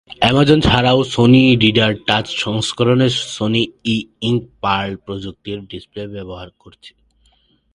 Amazon ছাড়াও Sony reader touch সংস্করণে Sony e ink pearl প্রযুক্তির ডিসপ্লে ব্যবহার করেছে।